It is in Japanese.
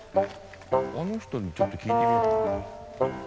あの人にちょっと聞いてみよっかな。